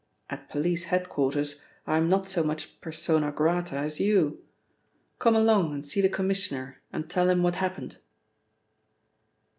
At police head quarters I am not so much persona grata as you. Come along and see the Commissioner and tell him what happened."